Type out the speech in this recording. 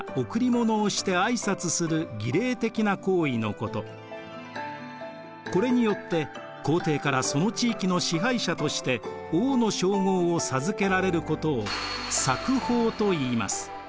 朝貢とはこれによって皇帝からその地域の支配者として「王」の称号を授けられることを冊封といいます。